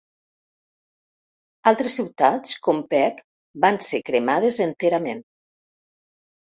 Altres ciutats, com Pec, van ser cremades enterament.